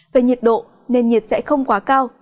về nhiệt độ nền nhiệt sẽ không quá cao